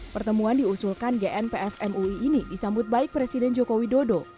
pertemuan diusulkan genpfmui ini disambut baik presiden jokowi dodo